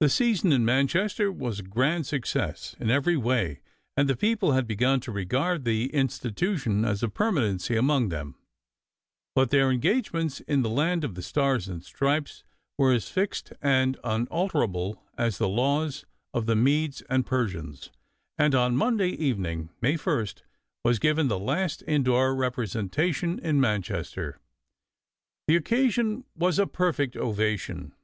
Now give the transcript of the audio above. The season in Manchester was a grand success in every way, and the people had begun to regard the institution as a permanency among them; but their engagements in the land of the stars and stripes were as fixed and unalterable as the laws of the Medes and Persians, and on Monday evening, May 1st, was given the last indoor representation in Manchester. The occasion was a perfect ovation.